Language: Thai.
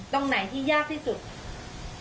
ตรงไหนที่ยากที่สุด